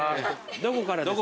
どこからですか？